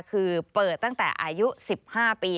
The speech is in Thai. คือเปิดตั้งแต่อายุ๑๕ปี